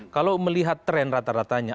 kalau melihat tren rata ratanya